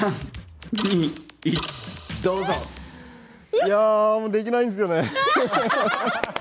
いやあできないんですよね。